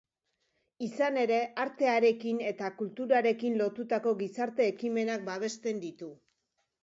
Izan ere, artearekin eta kulturarekin lotutako gizarte ekimenak babesten ditu.